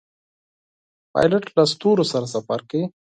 پیلوټ له ستورو سره سفر کوي.